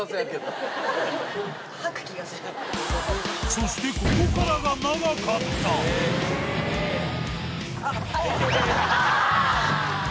そしてここからが長かったあぁ！